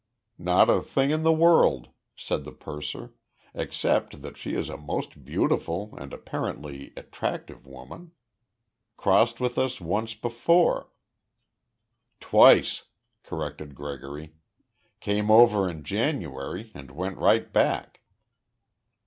"Not a thing in the world," said the purser, "except that she is a most beautiful and apparently attractive woman. Crossed with us once before " "Twice," corrected Gregory. "Came over in January and went right back."